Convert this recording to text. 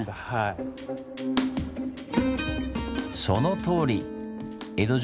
そのとおりです。